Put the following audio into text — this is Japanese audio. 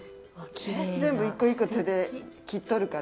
全部１個１個手で切っとるから。